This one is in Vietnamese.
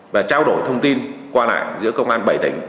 và trao đổi thông tin qua lại giữa công an bảy tỉnh